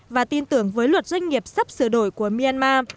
và tin tưởng với luật doanh nghiệp sắp sửa đổi của myanmar